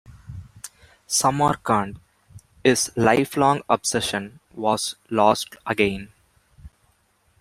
Samarkand, his lifelong obsession, was lost again.